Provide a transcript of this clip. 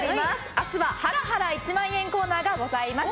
明日はハラハラ１万円コーナーがございます。